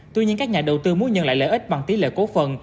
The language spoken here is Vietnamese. tuy nhiên các nhà đầu tư muốn nhận lại lợi ích bằng tí lợi cố phần